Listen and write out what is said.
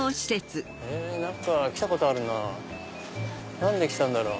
何か来たことあるな何で来たんだろう？